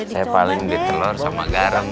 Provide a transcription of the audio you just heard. saya paling di telur sama garam